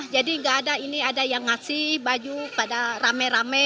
jadi enggak ada yang ngasih baju pada rame rame